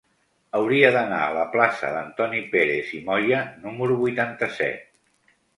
Hauria d'anar a la plaça d'Antoni Pérez i Moya número vuitanta-set.